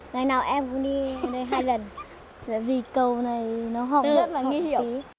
ngày nào em cũng đi đây hai lần vì cầu này nó hỏng hỏng tí